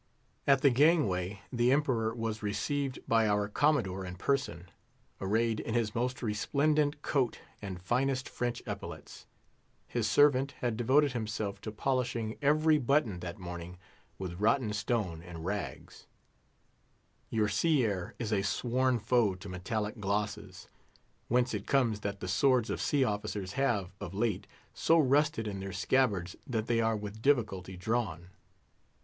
At the gangway, the Emperor was received by our Commodore in person, arrayed in his most resplendent coat and finest French epaulets. His servant had devoted himself to polishing every button that morning with rotten stone and rags—your sea air is a sworn foe to metallic glosses; whence it comes that the swords of sea officers have, of late, so rusted in their scabbards that they are with difficulty drawn.